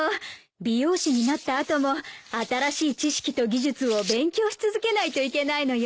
美容師になった後も新しい知識と技術を勉強し続けないといけないのよ。